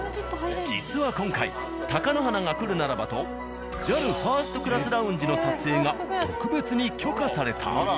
実は今回貴乃花が来るならばとＪＡＬファーストクラスラウンジの撮影が特別に許可された。